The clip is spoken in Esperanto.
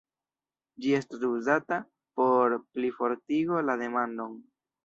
Ĝi estas uzata por plifortigo la demandon.